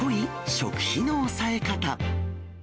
食費の抑え方。